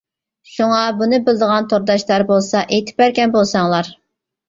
شۇڭا بۇنى بىلىدىغان تورداشلار بولسا ئېيتىپ بەرگەن بولساڭلار.